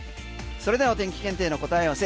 それではお天気検定の答え合わせ。